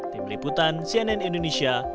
tim liputan cnn indonesia